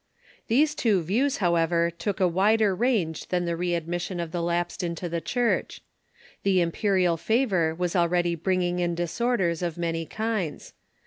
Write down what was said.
These two views, however, took a wider range than the readmission of the lapsed into the Church. The im perial favor was already bringing in disorders of many kinds.